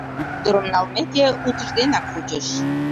Ӱдырым налмеке, утыжденак пучыш.